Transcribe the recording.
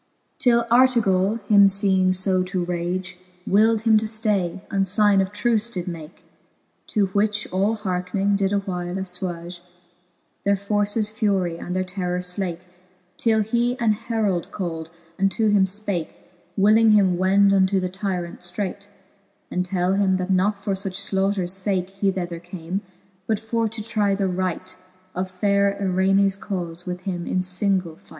Till Artegall him feeing {o to rage, Willd him to ftay, and figne of truce did make; To which all hearkning, did a while afTwage Their forces furie, and their terrors flake \ Till he an herauld cald, and to him fpake, Willing him wend unto the tyrant firreight, And tell him, that not for fuch flaughters fake He thether came, but for to trie the right Of fayre Irenacs caufe with him in fingle fight.